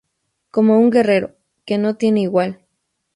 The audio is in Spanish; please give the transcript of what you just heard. Como un guerrero, que no tiene igual.